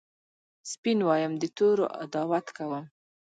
سپین وایم د تورو عداوت کوم